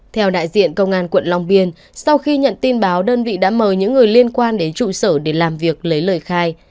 theo đại diện công an quận long biên sau khi nhận tin báo đơn vị đã mời những người liên quan đến trụ sở để làm việc lấy lời khai